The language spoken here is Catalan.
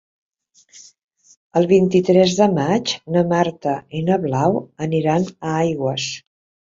El vint-i-tres de maig na Marta i na Blau aniran a Aigües.